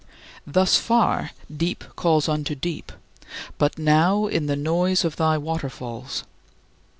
Thus far deep calls unto deep, but now in "the noise of thy waterfalls."